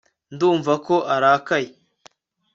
ndumva ko urakaye